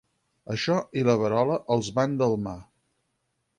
Això i la verola els van delmar.